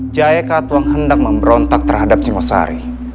jayakatwang hendak memberontak terhadap singosari